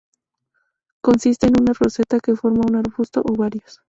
Consiste en una roseta que forma un arbusto o varios.